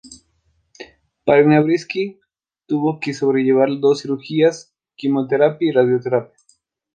Mariana Briski tuvo que sobrellevar dos cirugías, quimioterapia y radioterapia.